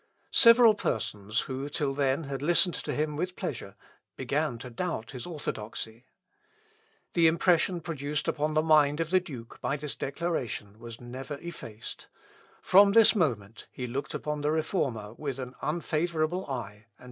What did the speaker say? Several persons, who till then had listened to him with pleasure, began to doubt his orthodoxy. The impression produced upon the mind of the duke by this declaration was never effaced; from this moment he looked upon the Reformer with an unfavourable eye, and became his enemy.